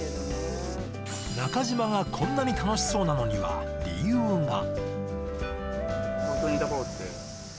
中島がこんなに楽しそうなのには理由が。